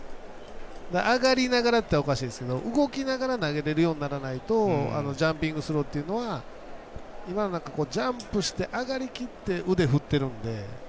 上がりながらといったらおかしいんですけど動きながら投げるようにならないとジャンピングスローは今のはジャンプして上がりきって腕振ってるんで。